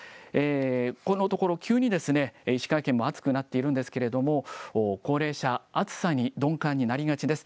このところ急に石川県も暑くなっているんですけれども、高齢者、暑さに鈍感になりがちです。